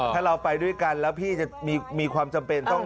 ถ้าเราไปด้วยกันแล้วพี่จะมีความจำเป็นต้อง